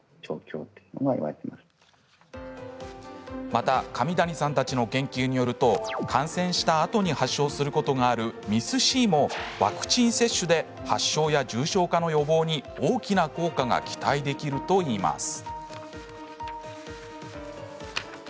また紙谷さんたちの研究によると感染したあとに発症することがあるＭＩＳ−Ｃもワクチン接種で発症や重症化の予防に大きな効果が期待できるといいます。